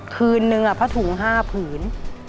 คืนนึงผ้าถุง๕ผืน